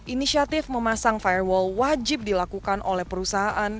inisiatif memasang firewall wajib dilakukan oleh perusahaan